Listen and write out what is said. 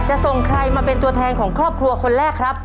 ส่งใครมาเป็นตัวแทนของครอบครัวคนแรกครับ